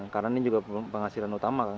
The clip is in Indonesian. karena ini juga penghasilan utama kan